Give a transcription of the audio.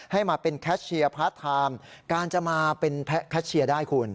ให้มาเป็นแคชเชียร์พาร์ทไทม์การจะมาเป็นแคชเชียร์ได้คุณ